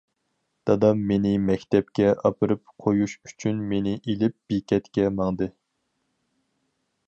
دادام مېنى مەكتەپكە ئاپىرىپ قويۇش ئۈچۈن مېنى ئېلىپ بېكەتكە ماڭدى.